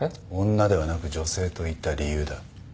「女」ではなく「女性」と言った理由だ。